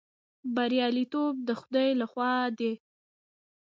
بریالیتوب د خدای لخوا دی